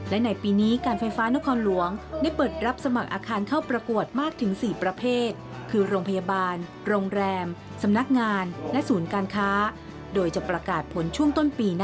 และในปีนี้การไฟฟ้านครหลวงได้เปิดรับสมัครอาคารเข้าประกวดมากถึง๔ประเภท